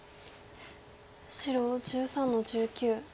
白１３の十九。